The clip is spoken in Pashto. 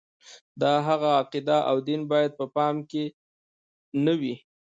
د هغه عقیده او دین باید په پام کې نه وي.